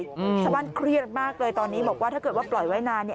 ชาวบ้านเครียดมากเลยตอนนี้บอกว่าถ้าเกิดว่าปล่อยไว้นานเนี่ย